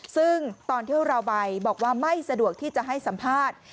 ซึ่งตอนที่เราไปบอกว่าไม่สะดวกที่จะให้สัมภาษณ์